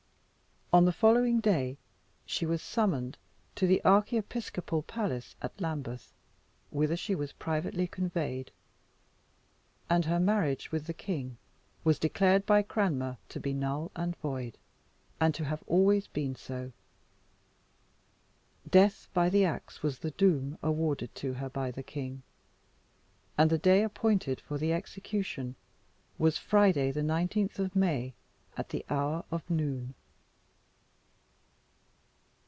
On the following day, she was summoned to the archiepiscopal palace at Lambeth, whither she was privately conveyed; and her marriage with the king was declared by Cranmer to be null and void, and to have always been so. Death by the axe was the doom awarded to her by the king, and the day appointed for the execution was Friday the 19th of May, at the hour of noon.